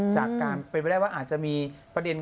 จากการเป็นไปได้ว่าอาจจะมีประเด็น